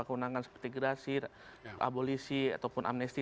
keunangan seperti gerasi abolisi ataupun amnesti